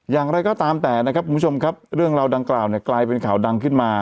อย่างไรก็ตามแต่นะครับคุณผู้ชมครับเรื่องราวดังกล่าวเนี่ยกลายเป็นข่าวดังขึ้นมา